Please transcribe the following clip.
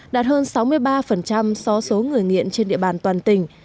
đạt hơn sáu mươi ba so với số người nghiện trên địa bàn toàn tỉnh